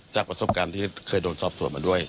จากประสบการณ์ที่เคยโดนสอบส่วนมาด้วย